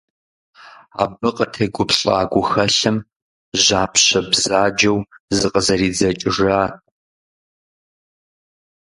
Абы къытегуплӏа гухэлъым жьапщэ бзаджэу зыкъызэридзэкӏыжат.